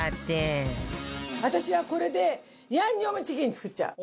私はこれでヤンニョムチキン作っちゃう！